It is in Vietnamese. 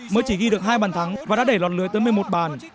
mới chỉ ghi được hai bàn thắng và đã đẩy lọt lưới tới một mươi một bàn